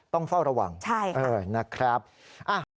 ต้องเฝ้าระวังนะครับใช่ค่ะใช่ค่ะ